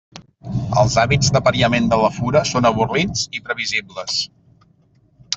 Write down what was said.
Els hàbits d'apariament de la fura són avorrits i previsibles.